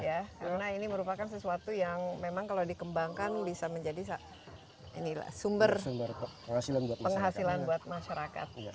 karena ini merupakan sesuatu yang memang kalau dikembangkan bisa menjadi sumber penghasilan buat masyarakat